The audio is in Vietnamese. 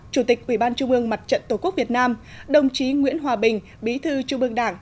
chủ tịch ubnd mặt trận tổ quốc việt nam đồng chí nguyễn hòa bình bí thư trung ương đảng